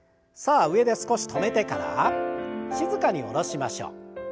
さあ上で少し止めてから静かに下ろしましょう。